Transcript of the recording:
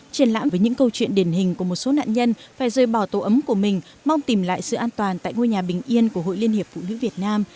triển lãm với những câu chuyện điển hình của một số nạn nhân phải rơi bỏ tổ ấm của mình mong tìm lại sự an toàn tại ngôi nhà bình yên của hội liên hiệp phụ nữ việt nam